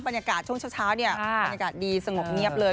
บรรยากาศช่วงเช้าเนี่ยบรรยากาศดีสงบเงียบเลย